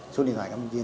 số điện thoại